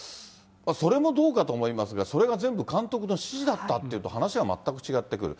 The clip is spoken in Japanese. それもどうかと思いますが、それが全部、監督の指示だったっていうと、話は全く違ってくる。